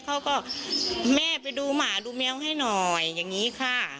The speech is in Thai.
เขาก็แม่ไปดูหมาดูแมวให้หน่อยอย่างนี้ค่ะ